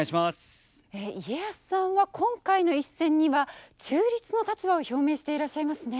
家康さんは今回の一戦には中立の立場を表明していらっしゃいますね。